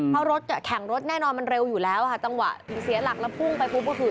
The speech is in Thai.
เพราะรถแข่งรถแน่นอนมันเร็วอยู่แล้วค่ะจังหวะเสียหลักแล้วพุ่งไปปุ๊บก็คือ